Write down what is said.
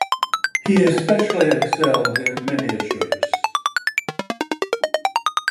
He especially excelled in miniatures.